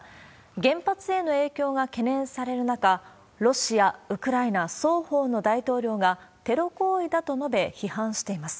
原発への影響が懸念される中、ロシア、ウクライナ双方の大統領が、テロ行為だと述べ、批判しています。